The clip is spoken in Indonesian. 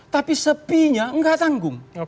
tapi sepinya tidak tanggung